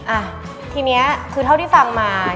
อ่ะทีนี้คือเท่าที่ฟังมา